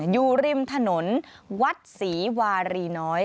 อยู่ริมถนนวัดศรีวารีน้อย